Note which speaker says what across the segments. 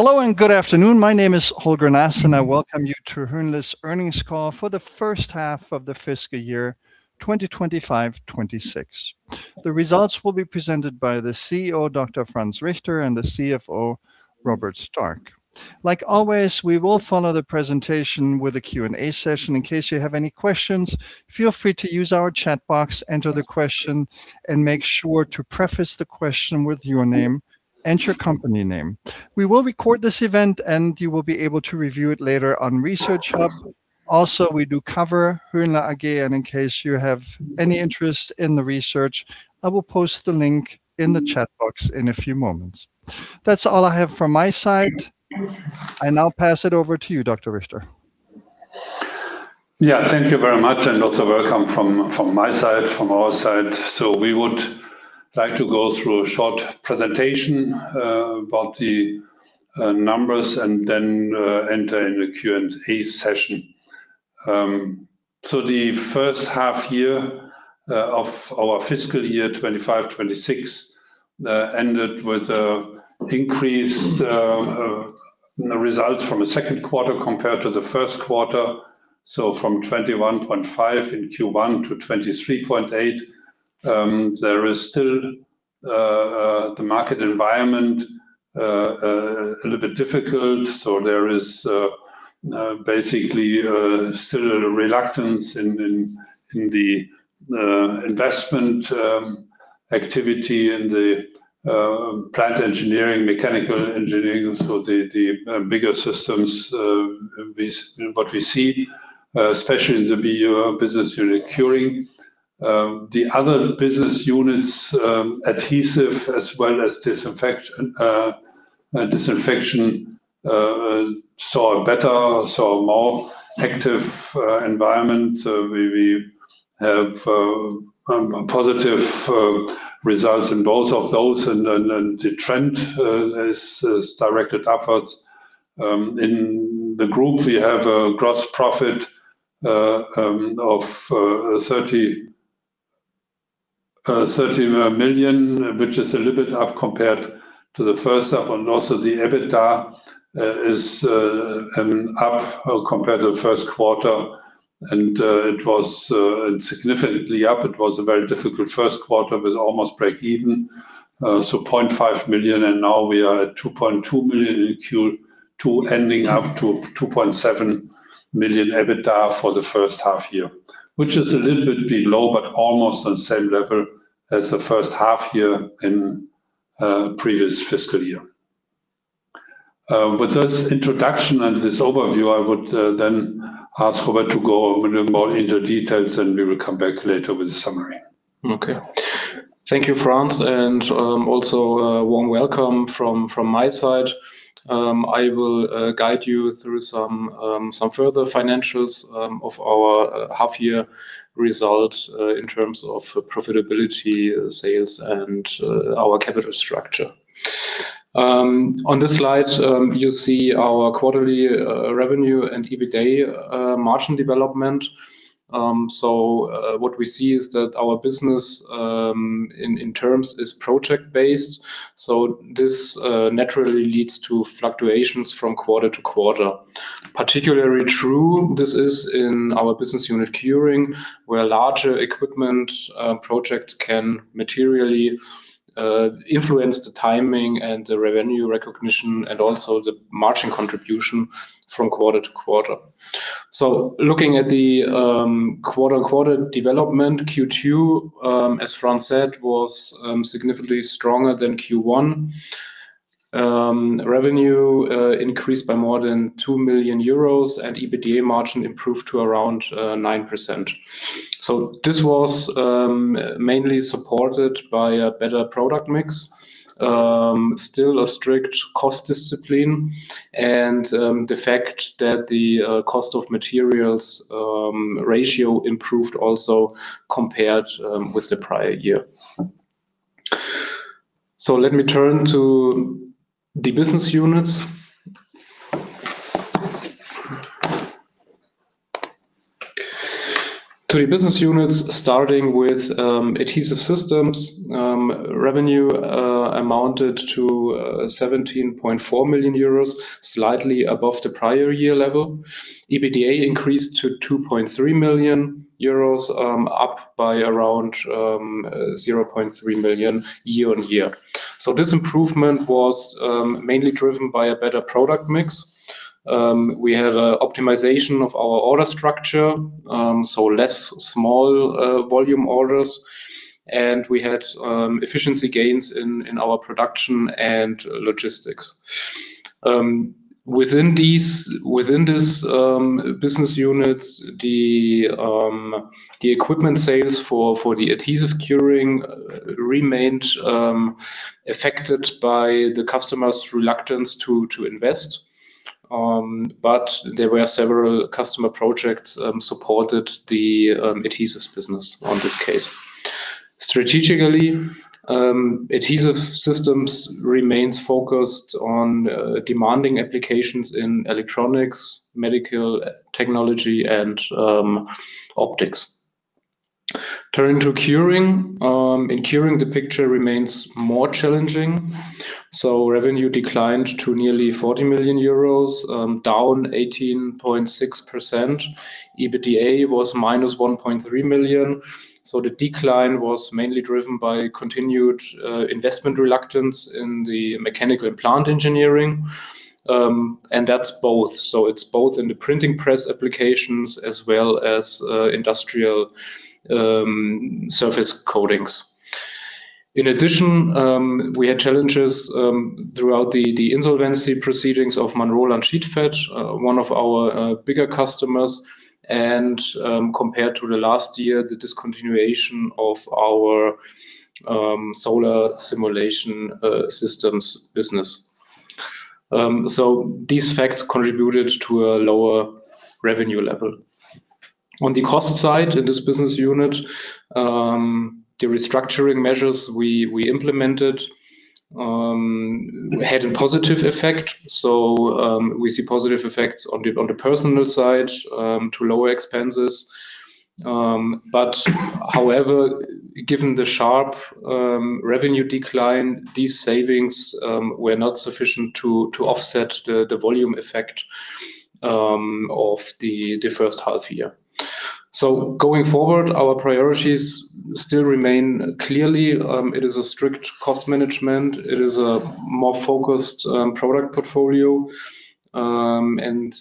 Speaker 1: Hello, and good afternoon. My name is Holger Nass, and I welcome you to Hönle's earnings call for the first half of the fiscal year 2025, 2026. The results will be presented by the CEO, Dr. Franz Richter, and the CFO, Robert Stark. Like always, we will follow the presentation with a Q&A session. In case you have any questions, feel free to use our chat box, enter the question, and make sure to preface the question with your name and your company name. We will record this event, and you will be able to review it later on ResearchHub. We do cover Hönle AG, and in case you have any interest in the research, I will post the link in the chat box in a few moments. That's all I have from my side. I now pass it over to you, Dr. Richter.
Speaker 2: Yeah. Thank you very much, and also welcome from my side, from our side. We would like to go through a short presentation about the numbers and then enter in the Q&A session. The first half year of our fiscal year 2025, 2026 ended with increased results from the second quarter compared to the first quarter, from 21.5 million in Q1 to 23.8 million. The market environment is still a little bit difficult, so there is basically still a reluctance in the investment activity in the plant and mechanical engineering, so the bigger systems, what we see especially in the BU Curing. The other business units, Adhesive as well as Disinfection, saw a better, saw a more active environment. We have positive results in both of those and the trend is directed upwards. In the group, we have a gross profit of 30 million, which is a little bit up compared to the first half. Also the EBITDA is up compared to the first quarter and it was significantly up. It was a very difficult first quarter. It was almost break even, so 0.5 million, and now we are at 2.2 million in Q2, ending up to 2.7 million EBITDA for the first half year, which is a little bit below, but almost on the same level as the first half year in previous fiscal year. With this introduction and this overview, I would then ask Robert to go a little more into details, and we will come back later with a summary.
Speaker 3: Okay. Thank you, Franz, and also a warm welcome from my side. I will guide you through some further financials of our half-year result in terms of profitability, sales and our capital structure. On this slide, you see our quarterly revenue and EBITDA margin development. What we see is that our business in terms is project-based, this naturally leads to fluctuations from quarter to quarter. Particularly true this is in our business unit Curing, where larger equipment projects can materially influence the timing and the revenue recognition and also the margin contribution from quarter to quarter. Looking at the quarter-over-quarter development, Q2, as Franz said, was significantly stronger than Q1. Revenue increased by more than 2 million euros, and EBITDA margin improved to around 9%. This was mainly supported by a better product mix, still a strict cost discipline and the fact that the cost of materials ratio improved also compared with the prior year. Let me turn to the business units, starting with Adhesive Systems, revenue amounted to 17.4 million euros, slightly above the prior year level. EBITDA increased to 2.3 million euros, up by around 0.3 million year on year. This improvement was mainly driven by a better product mix. We had an optimization of our order structure, so less small volume orders, and we had efficiency gains in our production and logistics. Within this business unit, the equipment sales for the adhesive curing remained affected by the customers' reluctance to invest. There were several customer projects supported the adhesives business on this case. Strategically, Adhesive Systems remains focused on demanding applications in electronics, medical technology and optics. Turning to Curing, in Curing the picture remains more challenging. Revenue declined to nearly 40 million euros, down 18.6%. EBITDA was minus 1.3 million. The decline was mainly driven by continued investment reluctance in the mechanical and plant engineering. This affected both. It's both in the printing press applications as well as industrial surface coatings. In addition, we had challenges throughout the insolvency proceedings of Manroland Sheetfed, one of our bigger customers, and compared to the last year, the discontinuation of our solar simulation systems business. These factors contributed to a lower revenue level. On the cost side in this business unit, the restructuring measures we implemented had a positive effect. We see positive effects on the personal side to lower expenses. However, given the sharp revenue decline, these savings were not sufficient to offset the volume effect of the first half year. Going forward, our priorities still remain. Clearly, it is a strict cost management. It is a more focused product portfolio and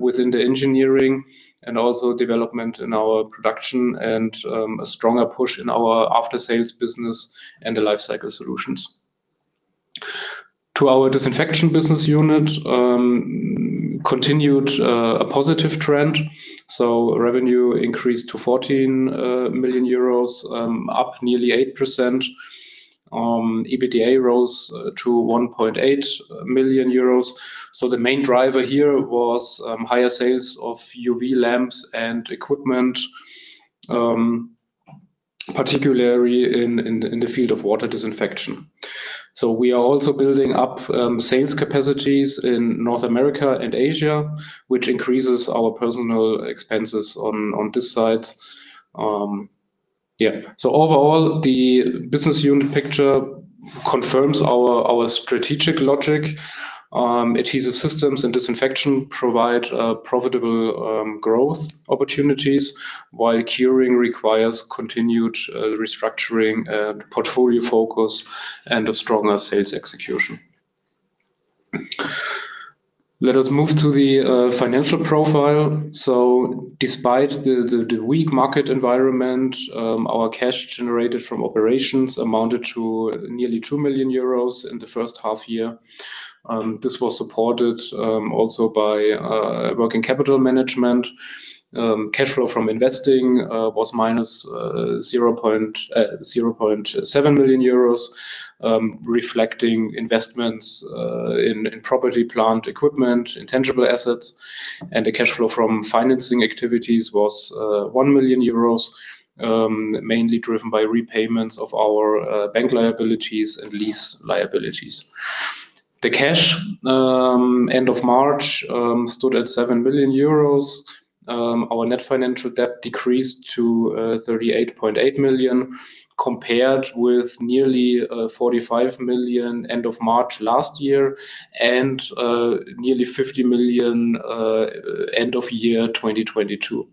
Speaker 3: within the engineering and also development in our production and a stronger push in our after-sales business and the lifecycle solutions. To our Disinfection business unit, continued a positive trend, revenue increased to 14 million euros, up nearly 8%. EBITDA rose to 1.8 million euros. The main driver here was higher sales of UV lamps and equipment, particularly in the field of water disinfection. We are also building up sales capacities in North America and Asia, which increases our personal expenses on this side. Overall, the business unit picture confirms our strategic logic. Adhesive Systems and Disinfection provide profitable growth opportunities, while Curing requires continued restructuring and portfolio focus and a stronger sales execution. Let us move to the financial profile. Despite the weak market environment, our cash generated from operations amounted to nearly 2 million euros in the first half year. This was supported also by working capital management. Cash flow from investing was minus 0.7 million euros, reflecting investments in property, plant, equipment, intangible assets. The cash flow from financing activities was 1 million euros, mainly driven by repayments of our bank liabilities and lease liabilities. Cash at the end of March stood at 7 million euros. Our net financial debt decreased to 38.8 million, compared with nearly 45 million end of March last year and nearly 50 million end of year 2022.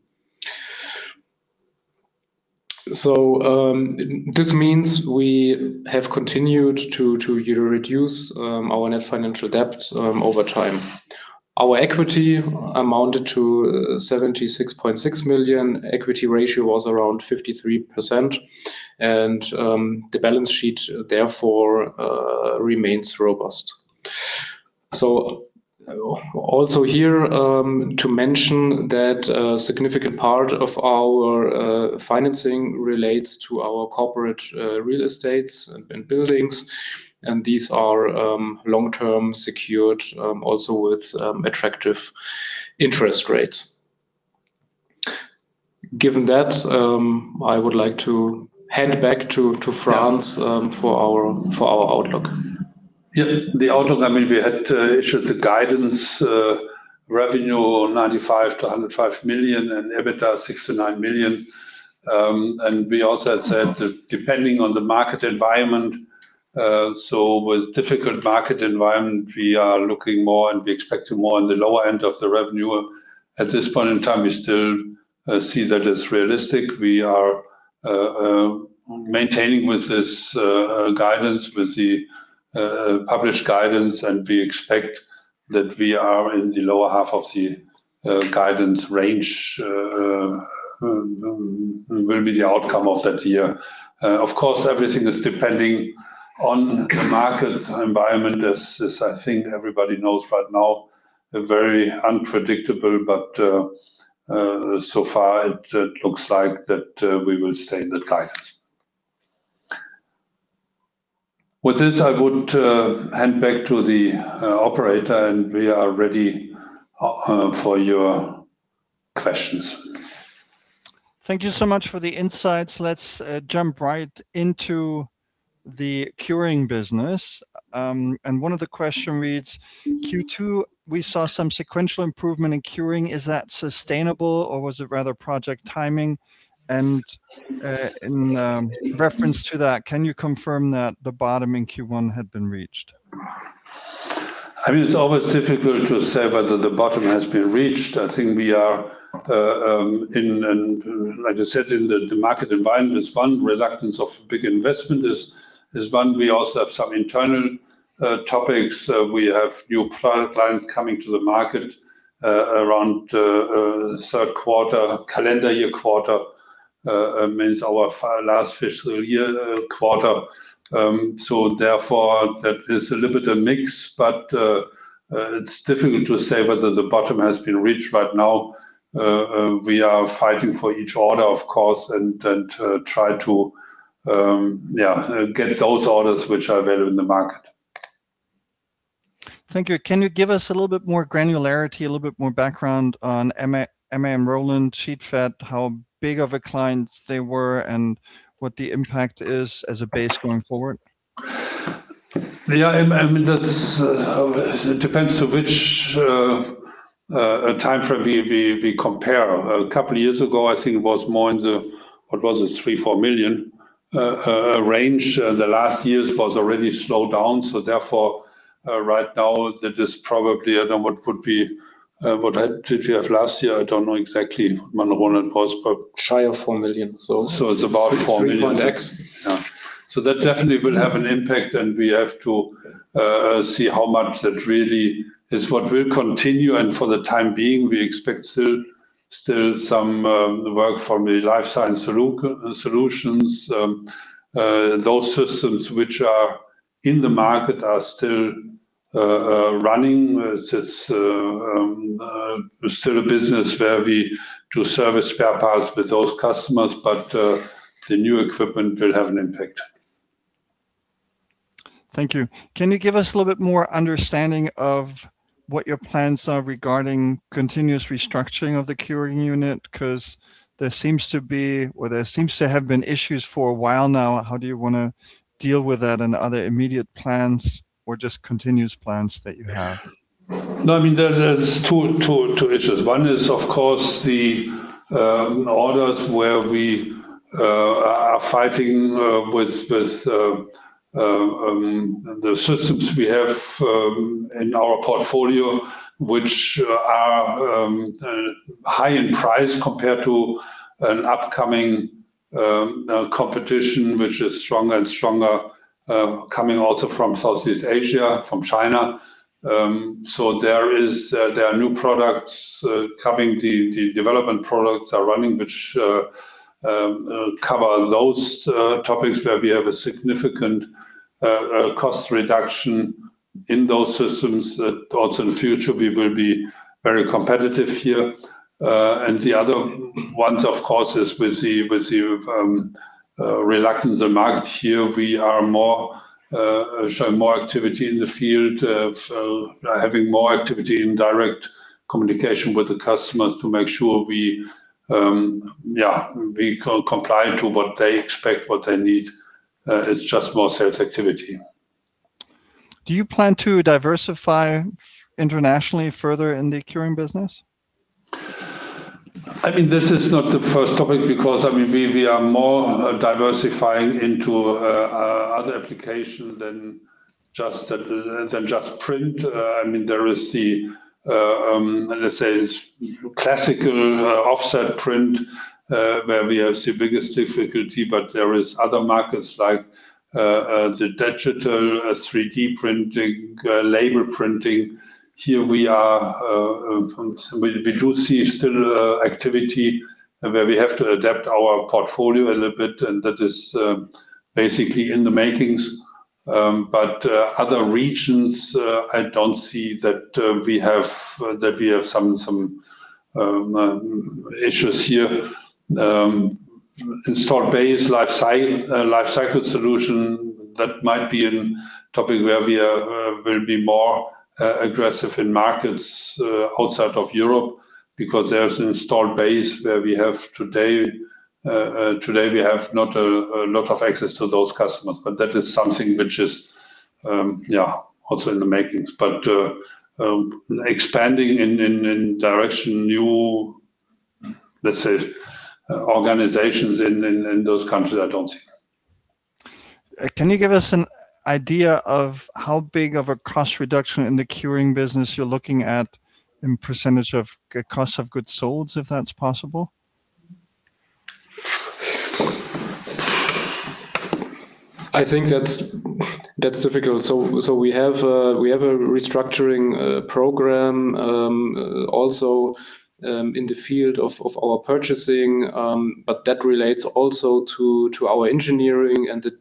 Speaker 3: This means we have continued to reduce our net financial debt over time. Our equity amounted to 76.6 million. Equity ratio was around 53%. The balance sheet therefore remains robust. Also here to mention that a significant part of our financing relates to our corporate real estate and buildings, and these are long-term secured also with attractive interest rates. Given that, I would like to hand back to Franz for our outlook.
Speaker 2: The outlook, I mean, we had issued the guidance, revenue 95 million to 105 million and EBITDA 6 million to 9 million. We also had said that depending on the market environment, with difficult market environment, we are looking more and we are expecting more on the lower end of the revenue. At this point in time, we still see that as realistic. We are maintaining with this guidance, with the published guidance, we expect that we are in the lower half of the guidance range will be the outcome of that year. Of course, everything is depending on the market environment, as I think everybody knows right now, a very unpredictable, so far it looks like that we will stay in that guidance. With this, I would hand back to the operator, and we are ready for your questions.
Speaker 1: Thank you so much for the insights. Let's jump right into the Curing business, and one of the question reads, "Q2, we saw some sequential improvement in Curing. Is that sustainable, or was it rather project timing? In reference to that, can you confirm that the bottom in Q1 had been reached?
Speaker 2: I mean, it's always difficult to say whether the bottom has been reached. I think we are in, and like I said, in the market environment is one reluctance of big investment is one. We also have some internal topics. We have new plant plans coming to the market around third quarter, calendar year quarter, means our last fiscal year quarter. Therefore that is a little bit a mix, but it's difficult to say whether the bottom has been reached right now. We are fighting for each order, of course, and try to, yeah, get those orders which are available in the market.
Speaker 1: Thank you. Can you give us a little bit more granularity, a little bit more background on Manroland Sheetfed, how big of a client they were and what the impact is as a base going forward?
Speaker 2: I mean, that's, it depends on which time frame we compare. A couple years ago, I think it was more in the, what was it? 3 million, 4 million range. The last years was already slowed down, so therefore, right now that is probably what would be, did we have last year? I don't know exactly. Manroland was,
Speaker 3: Shy of 4 million.
Speaker 2: it's about 4 million.
Speaker 3: Three point x.
Speaker 2: That definitely will have an impact, and we have to see how much that really is what will continue. For the time being, we expect still some work from the lifecycle solutions. Those systems which are in the market are still running. It's still a business where we do service spare parts with those customers, but the new equipment will have an impact.
Speaker 1: Thank you. Can you give us a little bit more understanding of what your plans are regarding continuous restructuring of the Curing unit? 'Cause there seems to be, or there seems to have been issues for a while now. How do you wanna deal with that and are there immediate plans or just continuous plans that you have?
Speaker 2: No, I mean, there's two issues. One is, of course, the orders where we are fighting with the systems we have in our portfolio, which are high in price compared to an upcoming competition, which is stronger and stronger, coming also from Southeast Asia, from China. There are new products coming. The development products are running, which cover those topics where we have a significant cost reduction in those systems that also in the future we will be very competitive here. The other one, of course, is with the reluctance in market here, we show more activity in the field of having more activity in direct communication with the customers to make sure we, yeah, we comply to what they expect, what they need. It's just more sales activity.
Speaker 1: Do you plan to diversify internationally further in the Curing business?
Speaker 2: I mean, this is not the first topic because, I mean, we are more diversifying into other applications than just printing. I mean, there is the, let's say it's classical offset printing, where we have the biggest difficulty, but there is other markets like the digital 3D printing, label printing. Here we are, we do see still activity where we have to adapt our portfolio a little bit, and that is basically in the makings. Other regions, I don't see that we have some issues here. Install base lifecycle solution, that might be an topic where we will be more aggressive in markets outside of Europe, because there's install base where we have today we have not a lot of access to those customers. That is something which is, yeah, also in the makings. Expanding in direction new, let's say, organizations in those countries, I don't see.
Speaker 1: Can you give us an idea of how big of a cost reduction in the Curing Business you're looking at in % of cost of goods sold, if that's possible?
Speaker 3: I think that's difficult. We have a restructuring program also in the field of our purchasing. That relates also to our engineering and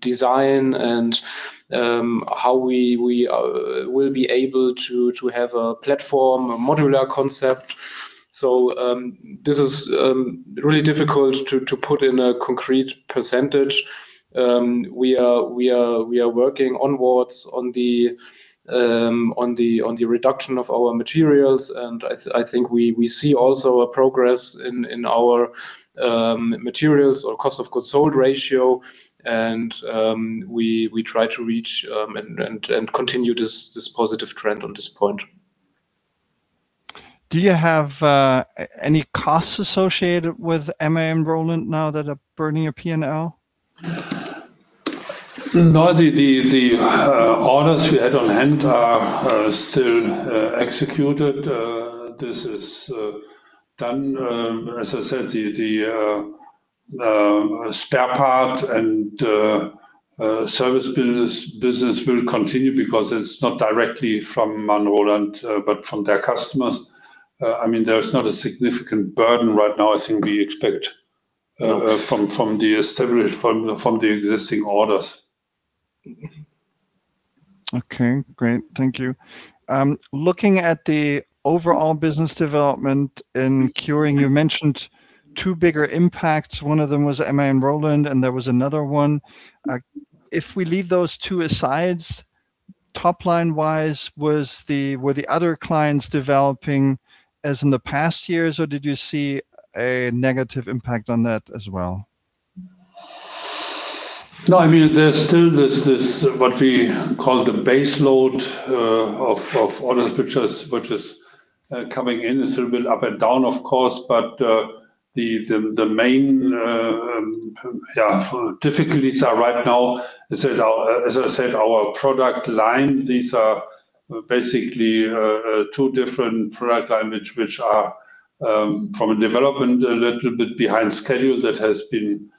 Speaker 3: design and how we will be able to have a platform, a modular concept. This is really difficult to put in a concrete percentage. We are working onwards on the reduction of our materials, and I think we see also a progress in our materials or cost of goods sold ratio. We try to reach and continue this positive trend on this point.
Speaker 1: Do you have any costs associated with Manroland now that are burning your P&L?
Speaker 2: No, the orders we had on hand are still executed. This is done. As I said, the spare part and service business will continue because it's not directly from Manroland, but from their customers. I mean, there is not a significant burden right now.
Speaker 1: No
Speaker 2: from the existing orders.
Speaker 1: Okay, great. Thank you. Looking at the overall business development in Curing, you mentioned 2 bigger impacts. One of them was Manroland, and there was another 1. If we leave those 2 asides, top line-wise, were the other clients developing as in the past years, or did you see a negative impact on that as well?
Speaker 2: I mean, there's still this what we call the base load of orders which is coming in. It's a little bit up and down, of course, the main, yeah, difficulties are right now is that our, as I said, our product line. These are basically two different product lines which are from a development standpoint, a little bit behind schedule that has been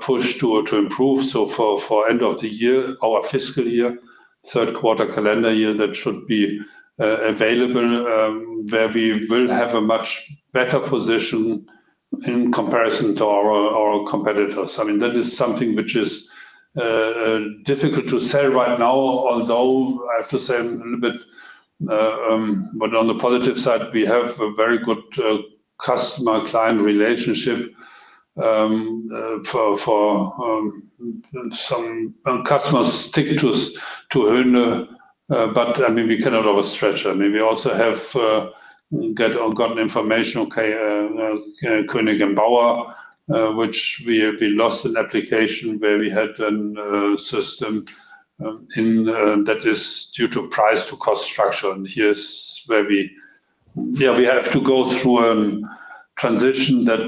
Speaker 2: pushed to improve. For end of the year, our fiscal year, third calendar quarter year, that should be available where we will have a much better position in comparison to our competitors. I mean, that is something which is difficult to say right now, although I have to say a little bit. On the positive side, we have a very good customer-client relationship for some customers stick to us, to Hönle. I mean, we cannot overstretch. I mean, we also have gotten information, Koenig & Bauer, which we lost an application where we had a system, that is due to price, to cost structure. Here's where we have to go through transition that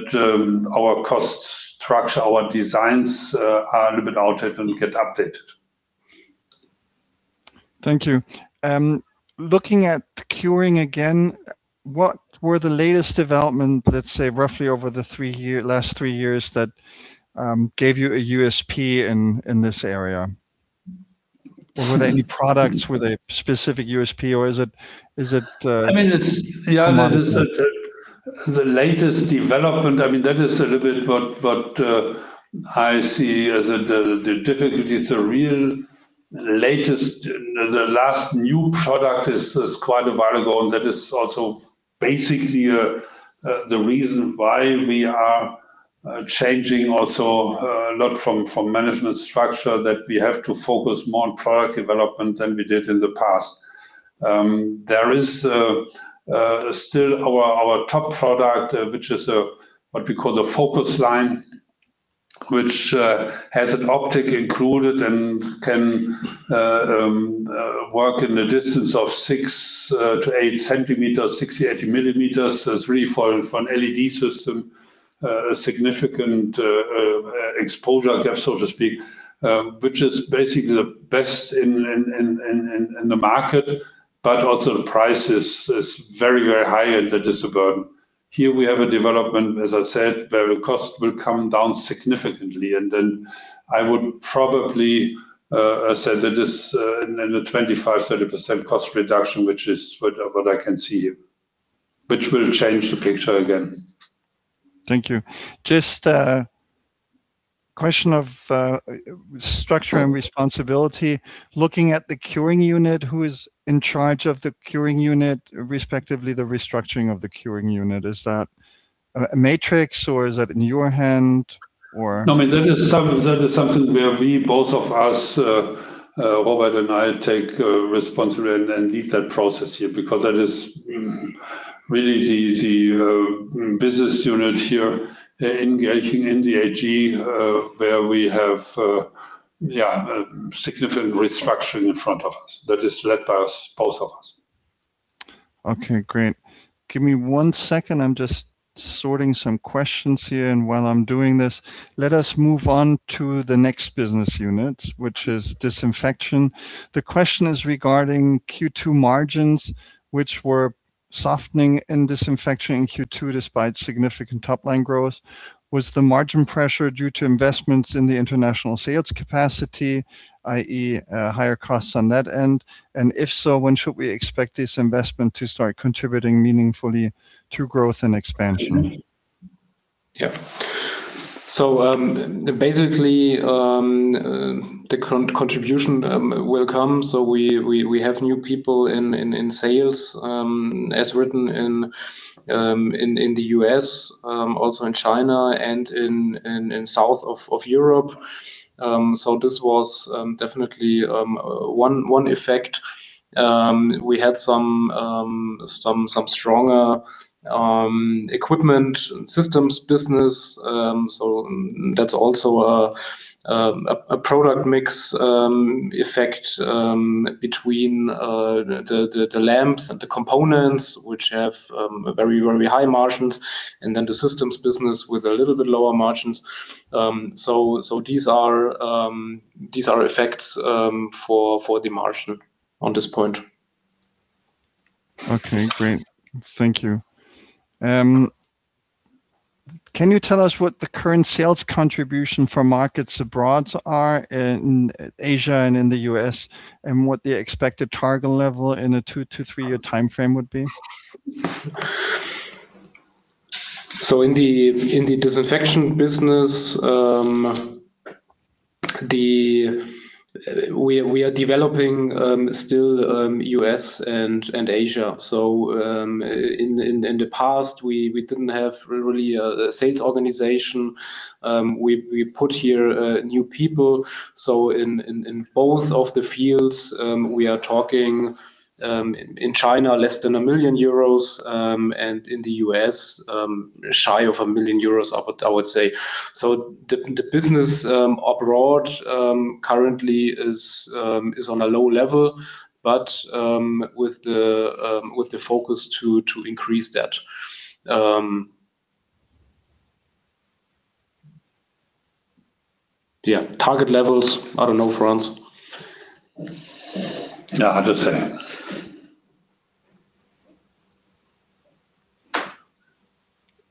Speaker 2: our cost structure, our designs are a little bit out of date and get updated.
Speaker 1: Thank you. Looking at the Curing again, what were the latest development, let's say roughly over the last three years that gave you a USP in this area? Or were there any products with a specific USP, or is it?
Speaker 2: I mean, it's.
Speaker 1: the margin?
Speaker 2: Yeah, I mean, it's the latest development. I mean, that is a little bit what I see as the difficulty is the real latest, the last new product is quite a while ago, and that is also basically the reason why we are changing also a lot from management structure that we have to focus more on product development than we did in the past. There is still our top product, which is what we call the focus line, which has an optic included and can work in a distance of six to eight centimeters, 60, 80 millimeters. It's really for an LED system, a significant exposure gap, so to speak, which is basically the best in the market. Also the price is very high, and that is a burden. Here we have a development, as I said, where the cost will come down significantly. Then I would probably say that is in a 25%-30% cost reduction, which is what I can see here, which will change the picture again.
Speaker 1: Thank you. Just a question of structure and responsibility. Looking at the Curing unit, who is in charge of the Curing unit, respectively the restructuring of the Curing unit? Is that matrix or is that in your hand?
Speaker 2: No, I mean, that is something where we, both of us, Robert and I take responsibility and lead that process here. Because that is really the business unit here engaging in the AG, where we have a significant restructuring in front of us. That is led by us, both of us.
Speaker 1: Okay, great. Give me one second. I'm just sorting some questions here, and while I'm doing this, let us move on to the next business unit, which is Disinfection. The question is regarding Q2 margins, which were softening in Disinfection in Q2 despite significant top-line growth. Was the margin pressure due to investments in the international sales capacity, i.e., higher costs on that end? If so, when should we expect this investment to start contributing meaningfully to growth and expansion?
Speaker 3: Yeah. Basically, the contribution will come. We have new people in sales, as written in the U.S., also in China and in South of Europe. This was definitely one effect. We had some stronger equipment systems business. That's also a product mix effect between the lamps and the components, which have very high margins, and then the systems business with a little bit lower margins. These are effects for the margin on this point.
Speaker 1: Okay, great. Thank you. Can you tell us what the current sales contribution for markets abroad are in Asia and in the U.S., and what the expected target level in a 2 to 3-year timeframe would be?
Speaker 3: In the Disinfection business, we are developing still U.S. and Asia. In the past, we didn't have really a sales organization. We put here new people. In both of the fields, we are talking in China less than 1 million euros, and in the U.S., shy of 1 million euros I would say. The business abroad currently is on a low level, but with the focus to increase that. Yeah, target levels, I don't know, Franz.
Speaker 2: No, I'd say.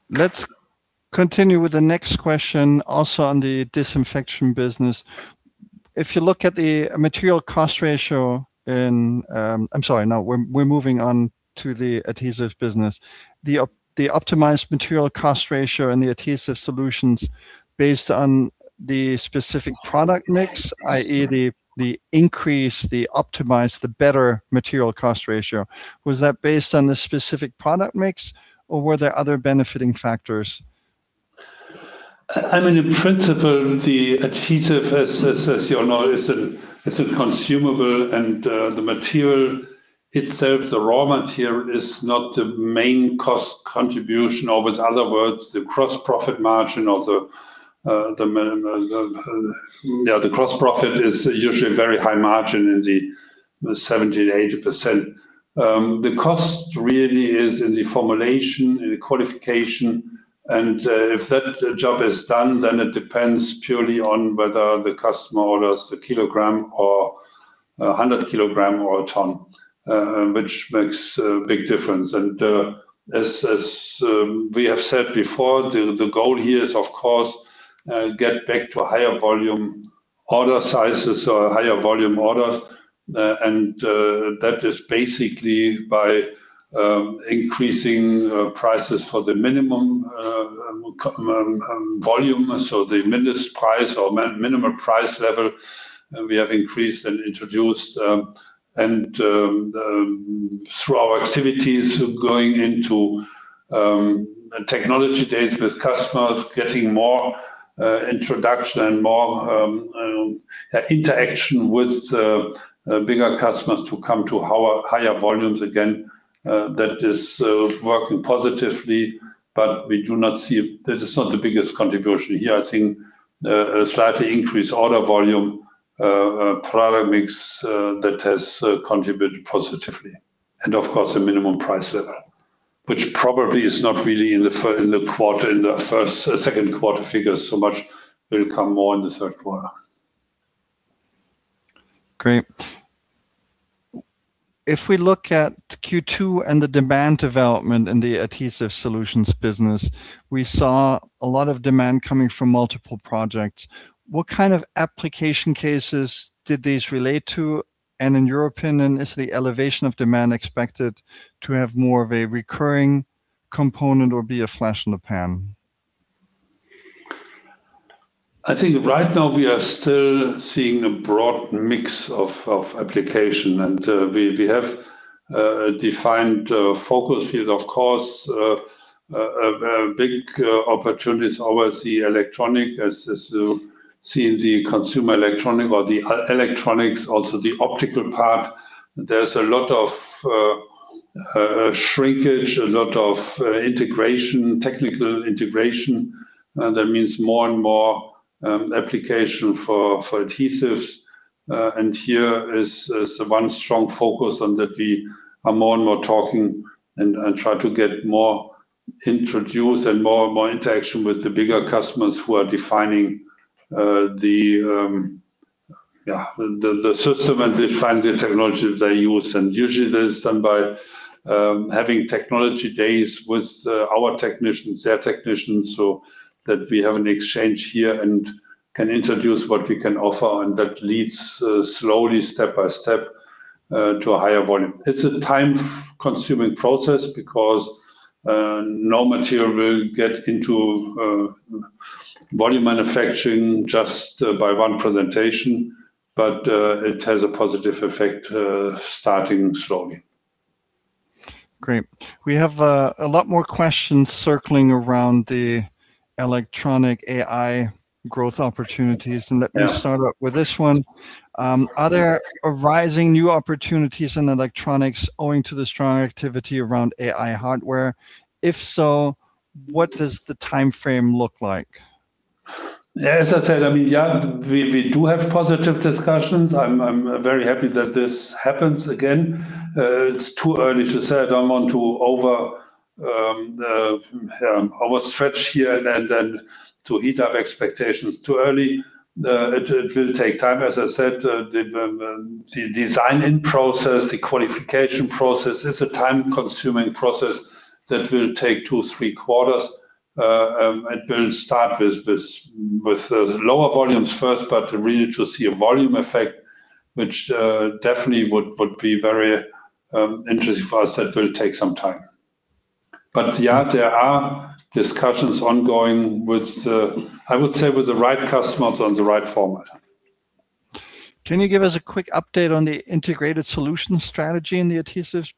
Speaker 1: Let's continue with the next question also on the disinfection business. If you look at the material cost ratio in, I'm sorry, no, we're moving on to the adhesive business. The optimized material cost ratio and the adhesive solutions based on the specific product mix, i.e., the increase, the optimized, the better material cost ratio, was that based on the specific product mix, or were there other benefiting factors?
Speaker 2: I mean, in principle, the adhesive, as you know, is a consumable, and the material itself, the raw material is not the main cost contribution. With other words, the gross profit margin or the gross profit is usually a very high margin in the 70%-80%. The cost really is in the formulation, in the qualification, and if that job is done, then it depends purely on whether the customer orders 1 kilogram, 100 kilograms, or 1 ton, which makes a big difference. As we have said before, the goal here is, of course, get back to higher volume order sizes or higher volume orders. That is basically by increasing prices for the minimum volume, so the minimum price level, we have increased and introduced. Through our activities going into technology days with customers, getting more introduction and more interaction with the bigger customers to come to our higher volumes again, that is working positively, but we do not see. That is not the biggest contribution here. I think a slightly increased order volume, product mix, that has contributed positively. Of course, a minimum price level, which probably is not really in the quarter, in the first, second quarter figures so much. It'll come more in the third quarter.
Speaker 1: Great. If we look at Q2 and the demand development in the adhesive solutions business, we saw a lot of demand coming from multiple projects. What kind of application cases did these relate to? In your opinion, is the elevation of demand expected to have more of a recurring component or be a flash in the pan?
Speaker 2: I think right now we are still seeing a broad mix of application. We have a defined focus field. Of course, a big opportunity is always the electronic as you see in the consumer electronic or the electronics, also the optical part. There's a lot of shrinkage, a lot of integration, technical integration. That means more and more application for adhesives. Here is one strong focus on that we are more and more talking and try to get more introduced and more and more interaction with the bigger customers who are defining the system and define the technology they use. Usually there's some by having technology days with our technicians, their technicians, so that we have an exchange here and can introduce what we can offer and that leads slowly step by step to a higher volume. It's a time-consuming process because no material will get into volume manufacturing just by one presentation, but it has a positive effect starting slowly.
Speaker 1: Great. We have, a lot more questions circling around the electronic AI growth opportunities.
Speaker 2: Yeah.
Speaker 1: Let me start with this one. Are there arising new opportunities in electronics owing to the strong activity around AI hardware? If so, what does the timeframe look like?
Speaker 2: As I said, I mean, we do have positive discussions. I'm very happy that this happens again. It's too early to say. I don't want to overstretch here and to heat up expectations. Too early. It will take time. As I said, the designing process, the qualification process is a time-consuming process that will take 2, 3 quarters. It will start with lower volumes first, but really to see a volume effect, which definitely would be very interesting for us. That will take some time. Yeah, there are discussions ongoing with, I would say, with the right customers on the right format.
Speaker 1: Can you give us a quick update on the integrated solutions strategy in the Adhesive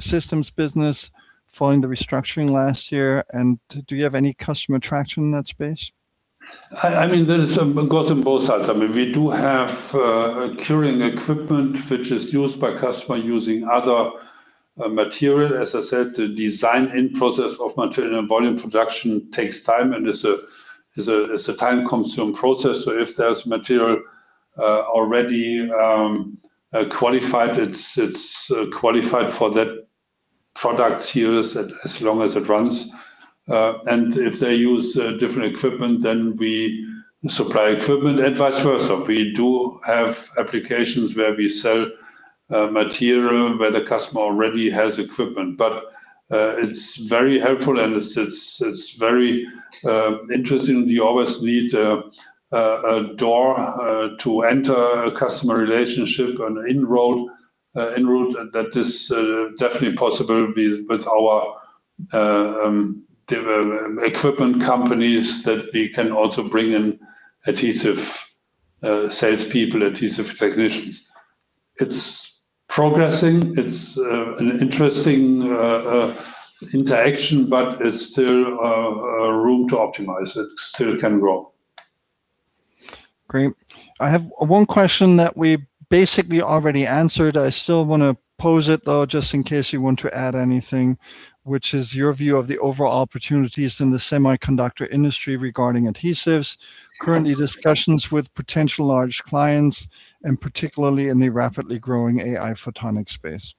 Speaker 1: Systems business following the restructuring last year? Do you have any customer traction in that space?
Speaker 2: I mean, there's a it goes on both sides. I mean, we do have curing equipment which is used by customer using other material. As I said, the design-in process of material and volume production takes time and is a time-consuming process. If there's material already qualified, it's qualified for that product series as long as it runs. If they use different equipment, we supply equipment and vice versa. We do have applications where we sell material where the customer already has equipment. It's very helpful, and it's very interesting. You always need a door to enter a customer relationship, an in-road. That is definitely possible with our equipment companies that we can also bring in adhesive salespeople, adhesive technicians. It's progressing. It's an interesting interaction, but it's still room to optimize. It still can grow.
Speaker 1: Great. I have one question that we basically already answered. I still wanna pose it, though, just in case you want to add anything, which is your view of the overall opportunities in the semiconductor industry regarding Adhesive Systems, currently discussions with potential large clients, and particularly in the rapidly growing AI photonic space.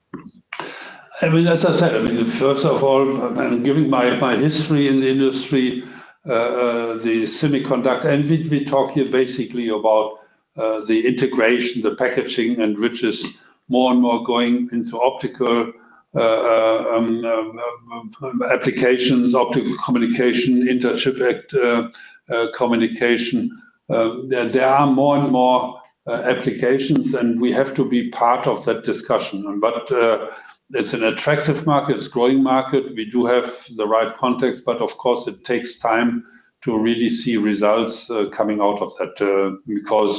Speaker 2: As I said, first of all, giving my history in the industry, the semiconductor. We talk here basically about the integration, the packaging, which is more and more going into optical applications, optical communication, interchip communication. There are more and more applications, and we have to be part of that discussion. It's an attractive market, it's growing market. We do have the right contacts, but of course, it takes time to really see results coming out of that, because,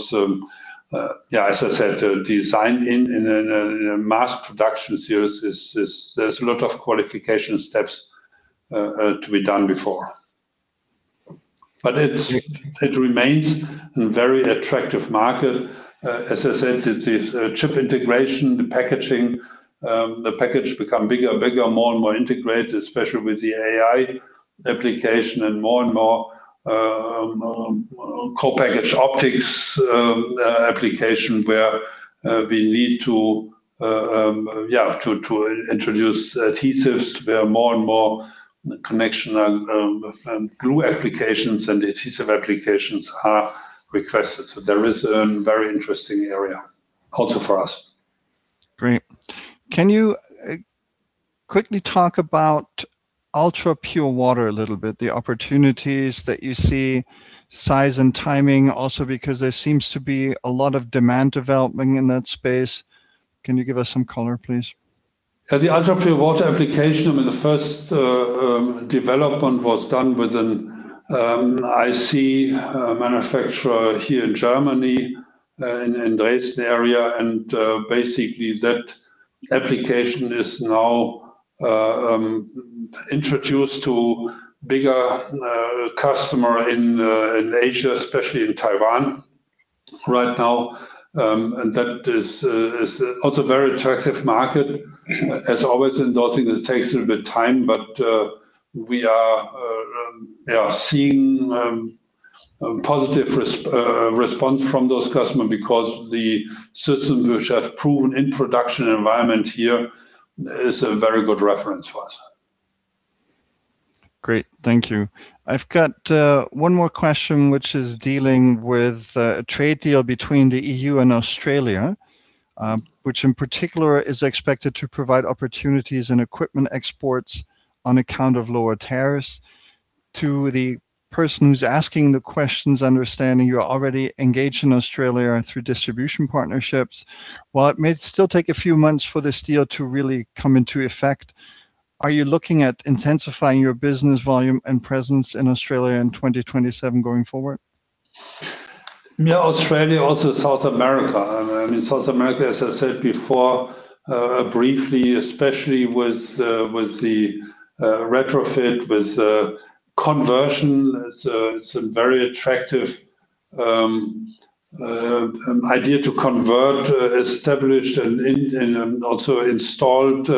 Speaker 2: yeah, as I said, design-in a mass production series is There's a lot of qualification steps to be done before. It remains a very attractive market. As I said, it's chip integration, the packaging. The package become bigger and bigger, more and more integrated, especially with the AI application and more and more co-packaged optics application where we need to introduce adhesives where more and more connection and glue applications and adhesive applications are requested. There is a very interesting area also for us.
Speaker 1: Great. Can you quickly talk about ultrapure water a little bit? The opportunities that you see, size and timing also, because there seems to be a lot of demand developing in that space. Can you give us some color, please?
Speaker 2: Yeah, the ultrapure water application, I mean, the first development was done with an IC manufacturer here in Germany, in Dresden area. Basically that application is now introduced to bigger customer in Asia, especially in Taiwan right now. That is also very attractive market. As always in those things, it takes a little bit of time, but we are seeing a positive response from those customers because the systems which have proven in production environment here is a very good reference for us.
Speaker 1: Great. Thank you. I've got one more question which is dealing with a trade deal between the EU and Australia, which in particular is expected to provide opportunities in equipment exports on account of lower tariffs. To the person who's asking the questions, understanding you're already engaged in Australia through distribution partnerships. While it may still take a few months for this deal to really come into effect, are you looking at intensifying your business volume and presence in Australia in 2027 going forward?
Speaker 2: Australia, also South America. South America, as I said before, briefly, especially with the retrofit, with conversion. It's a very attractive idea to convert established and also installed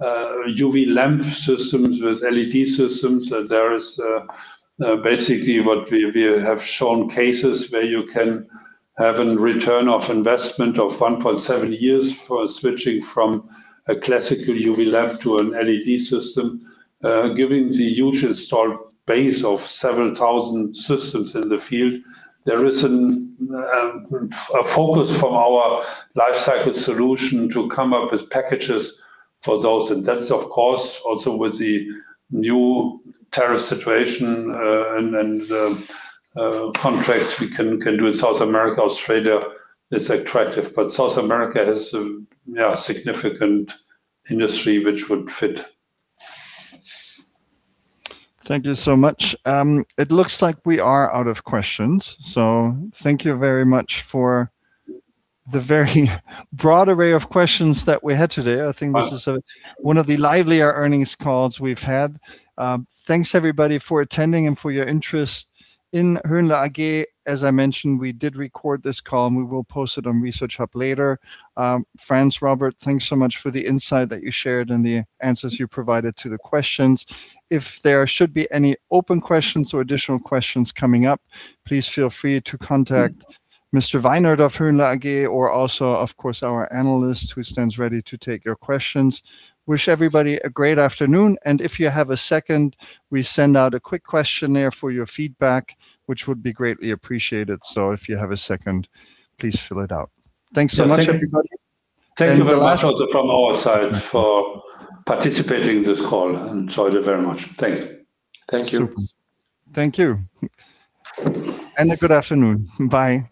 Speaker 2: UV lamp systems with LED systems. There is basically what we have shown cases where you can have a Return on Investment of 1.7 years for switching from a classical UV lamp to an LED system. Given the huge installed base of 7,000 systems in the field, there is a focus from our life cycle solution to come up with packages for those. That's of course also with the new tariff situation, and contracts we can do in South America, Australia is attractive. South America has a, yeah, significant industry which would fit.
Speaker 1: Thank you so much. It looks like we are out of questions, so thank you very much for the very broad array of questions that we had today. This is one of the livelier earnings calls we've had. Thanks everybody for attending and for your interest in Dr. Hönle AG. As I mentioned, we did record this call, and we will post it on ResearchHub later. Franz, Robert, thanks so much for the insight that you shared and the answers you provided to the questions. If there should be any open questions or additional questions coming up, please feel free to contact Mr. Weinert of Dr. Hönle AG or also of course our analyst who stands ready to take your questions. Wish everybody a great afternoon, and if you have a second, we send out a quick questionnaire for your feedback, which would be greatly appreciated. If you have a second, please fill it out. Thanks so much everybody.
Speaker 2: Thank you very much also from our side for participating this call, enjoy you very much. Thank you.
Speaker 1: Thank you.
Speaker 2: Super.
Speaker 1: Thank you, and a good afternoon. Bye.
Speaker 2: Bye.